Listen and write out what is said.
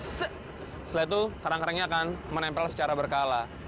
setelah itu karang karengnya akan menempel secara berkala